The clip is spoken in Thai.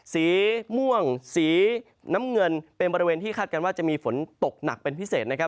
สีม่วงสีน้ำเงินเป็นบริเวณที่คาดการณ์ว่าจะมีฝนตกหนักเป็นพิเศษนะครับ